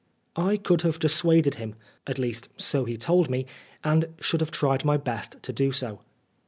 I could have dissuaded him at least so he told me and should have tried my best to do so.